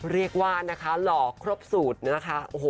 เรียกว่านะคะหล่อครบศูนย์นะคะโอ้โห